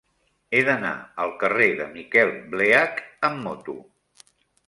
He d'anar al carrer de Miquel Bleach amb moto.